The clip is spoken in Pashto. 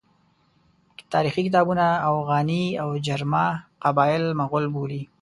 تاریخي کتابونه اوغاني او جرما قبایل مغول بولي.